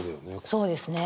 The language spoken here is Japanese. そうですね。